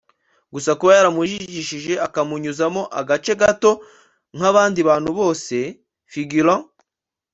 gusa kuba yaramujijishije akumunyuzamo agace gato nk’abandi bantu bose (figurant)